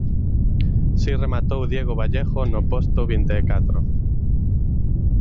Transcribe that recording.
Si rematou Diego Vallejo no posto vinte e catro.